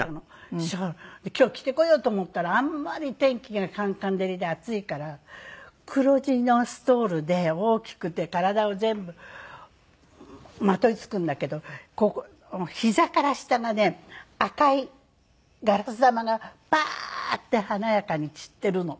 今日着てこようと思ったらあんまり天気がカンカン照りで暑いから黒地のストールで大きくて体を全部まといつくんだけどひざから下がね赤いガラス玉がパーッて華やかに散ってるの。